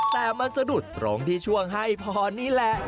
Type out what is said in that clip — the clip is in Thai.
แต่มันสะดุดตรงที่ช่วงให้พรนี่แหละ